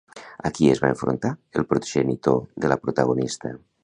A qui es va enfrontar el progenitor de la protagonista?